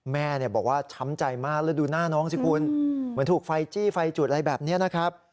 แม่บอกว่าช้ำใจมากแล้วดูหน้าน้องสิคุณเหมือนถูกไฟจี้ไฟจุดอะไรแบบนี้นะครับ